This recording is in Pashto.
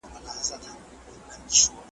یووالی ملت قوي کوي.